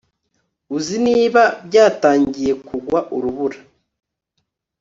Uzi niba byatangiye kugwa urubura